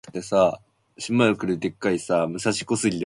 She won a total of thirteen events, including three major championships.